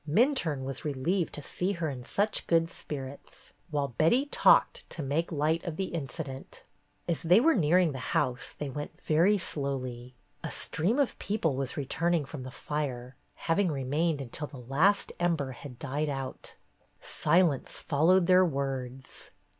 Minturne was relieved to see her in such good spirits, while Betty talked to make light of the incident. As they were nearing the house, they went very slowly. A stream of people was return ing from the fire, having remained until the last ember had died out. Silence followed their words.